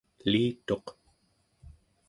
elituq